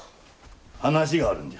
話があるんじゃ。